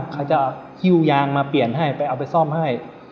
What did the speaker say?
เขาจะหิ้วยางมาเปลี่ยนให้ไปเอาไปซ่อมให้